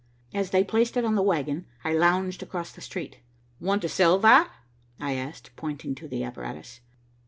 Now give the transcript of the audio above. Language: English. As they placed it on the wagon, I lounged across the street. "Want to sell that?" I asked, pointing to the apparatus.